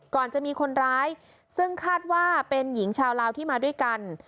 ก่อนจะมีคนร้ายซึ่งคาดว่าเป็นหญิงชาวลาวที่มาด้วยกัน